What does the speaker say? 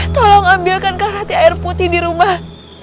tolong ambilkan kak rati air putih di rumah